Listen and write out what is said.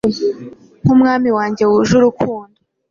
nkumwami wanjye wuje urukundo